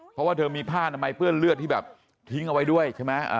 เพราะว่าเธอมีผ้านามัยเปื้อนเลือดที่แบบทิ้งเอาไว้ด้วยใช่ไหม